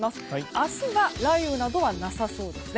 明日は雷雨などはなさそうです。